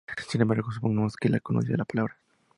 Sin embargo, supongamos que no conocía la palabra.